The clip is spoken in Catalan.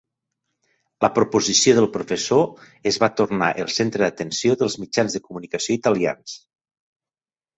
La proposició del professor es va tornar el centre d'atenció dels mitjans de comunicació italians.